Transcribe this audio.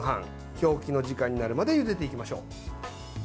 表記の時間になるまでゆでていきましょう。